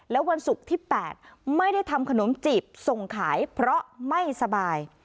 แล้ววันศุกร์ที่๘ไม่ได้ทำขนมจีบส่งขายเพราะไม่สบาย